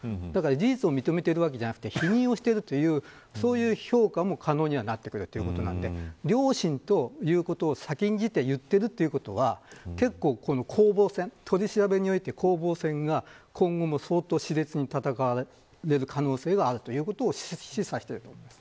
事実を認めているのではなく否認をしているという評価も可能になってくるので両親ということを先んじて言っているということは取り調べにおいて攻防戦が今後も、し烈に行われる可能性があることを示唆しています。